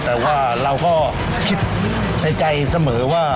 แต่ว่าเราก็คิดในใจเสมอว่า